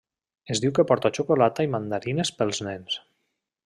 Es diu que porta xocolata i mandarines pels nens.